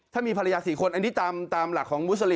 ถ้ามีภรรยา๔คนอันนี้ตามหลักของมุสลิ